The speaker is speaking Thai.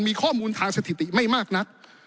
มีข้อมูลทางสถิติไม่มากนัก